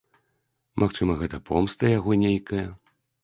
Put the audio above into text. Магчыма, гэта помста яго нейкая.